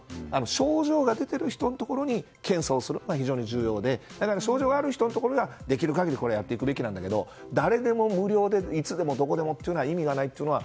症状が出てる人のところに検査をするのが非常に重要で症状がある人のところでやるのは意味があるんですけど誰でも無料でいつでもどこでもが意味がないというのは